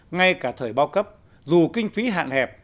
ngay cả thời bao cấp dù kinh phí hạn hẹp